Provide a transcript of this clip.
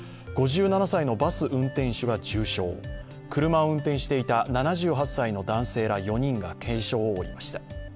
５７歳のバス運転手が重傷、車を運転していた７８歳の男性ら４人が軽傷を負いました。